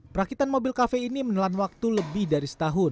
perakitan mobil kafe ini menelan waktu lebih dari setahun